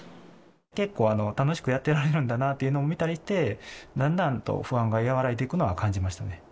結構楽しくやっておられるんだなというのを見たりして、だんだんと不安が和らいでいくのは感じましたね。